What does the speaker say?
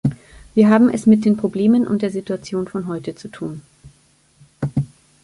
Wir haben es mit den Problemen und der Situation von heute zu tun.